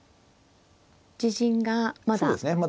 自陣がまだ。